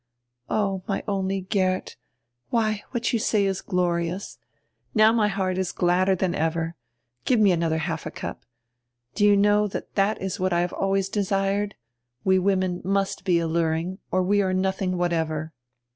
"Oh, my only Geert, why, what you say is glorious. Now my heart is gladder than ever — Give me another half a cup — Do you know that that is what I have always desired? We women must he alluring, or we are nothing whatever."